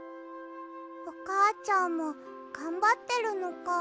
おかあちゃんもがんばってるのか。